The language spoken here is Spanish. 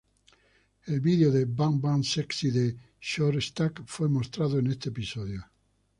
El video de "Bang Bang Sexy", de Short Stack, fue mostrado en este episodio.